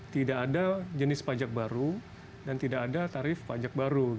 tidak ada jenis pajak baru dan tidak ada tarif pajak baru